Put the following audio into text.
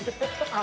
あ。